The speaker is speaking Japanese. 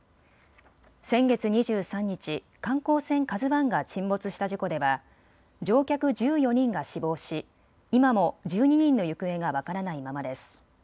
先月２３日、観光船ＫＡＺＵＩが沈没した事故では乗客１４人が死亡し今も１２人の行方が分からないままです。